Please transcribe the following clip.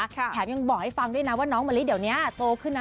แถมยังบอกให้ฟังด้วยนะว่าน้องมะลิเดี๋ยวนี้โตขึ้นนะ